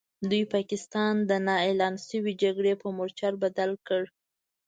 دوی پاکستان د نا اعلان شوې جګړې په مورچل بدل کړ.